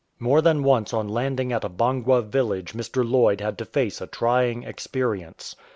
More than once on landing at a Bangwa village Mr Lloyd had to face a trying experience.